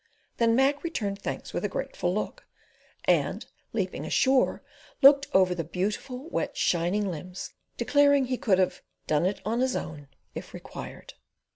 Then Mac returned thanks with a grateful look, and, leaping ashore, looked over the beautiful, wet, shining limbs, declaring he could have "done it on his own," if required.